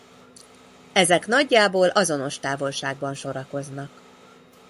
Ezek nagyjából azonos távolságban sorakoznak.